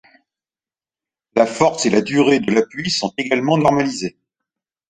La force et la durée de l'appui sont également normalisées.